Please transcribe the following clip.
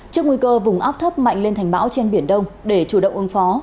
trước nguy cơ vùng áp thấp mạnh lên thành bão trên biển đông để chủ động ứng phó